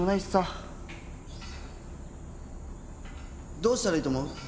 どうしたらいいと思う？